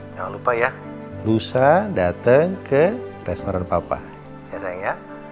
jangan lupa ya lusa datang ke restoran papa ya sayang ya